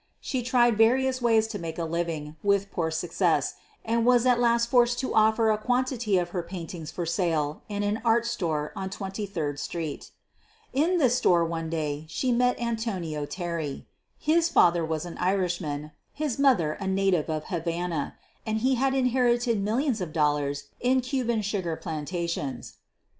She tried various ways of making a living, with poor success, and was at last forced to offer a quantity of her paintings for sale in an art store on Twenty third Street. In this store one day she met Antonio Terry. His father was an Irishman, his mother a native of Havana, and he had inherited millions of dollars in Cuban sugar plantations.